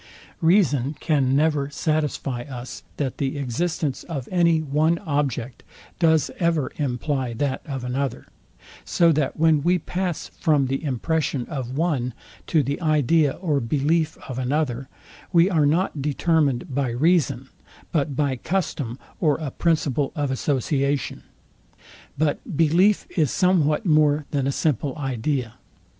Reason can never satisfy us that the existence of any one object does ever imply that of another; so that when we pass from the impression of one to the idea or belief of another, we are not determined by reason, but by custom or a principle of association. But belief is somewhat more than a simple idea.